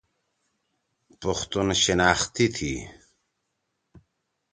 پختون شنأختی تھی۔